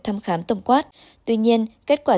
thăm khám tổng quát tuy nhiên kết quả